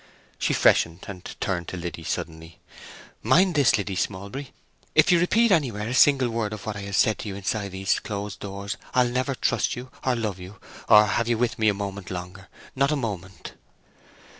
She freshened and turned to Liddy suddenly. "Mind this, Lydia Smallbury, if you repeat anywhere a single word of what I have said to you inside this closed door, I'll never trust you, or love you, or have you with me a moment longer—not a moment!"